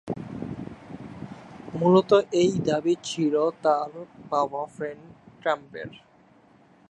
মূলত এই দাবি ছিল তার বাবা ফ্রেড ট্রাম্পের।